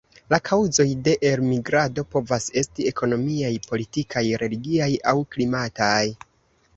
La kaŭzoj de elmigrado povas esti ekonomiaj, politikaj, religiaj aŭ klimataj.